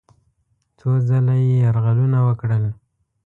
څو ځله یې یرغلونه وکړل.